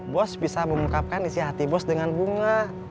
bos bisa mengungkapkan isi hati bos dengan bunga